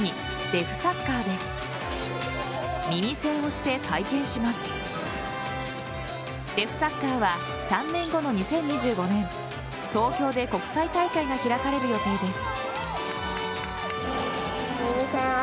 デフサッカーは３年後の２０２５年東京で国際大会が開かれる予定です。